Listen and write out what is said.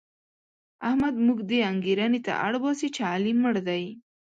احمد موږ دې انګېرنې ته اړباسي چې علي مړ دی.